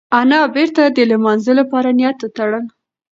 انا بېرته د لمانځه لپاره نیت وتړل.